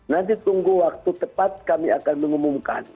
nanti tunggu waktu tepat kami akan mengumumkan